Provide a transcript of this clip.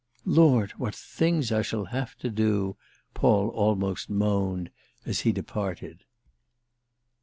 "Lord, what things I shall have to do!" Paul almost moaned as be departed.